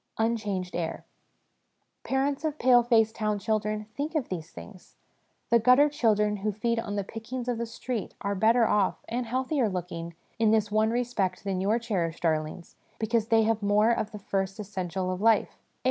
Unchanged Air. Parents of pale faced town children, think of these things ! The gutter children who feed on the pickings of the streets are better off (and healthier looking) in this one respect than your cherished darlings, because they have more of the first essential of life air.